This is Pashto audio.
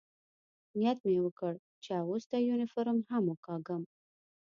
نیت مې وکړ، چې اغوستی یونیفورم هم وکاږم.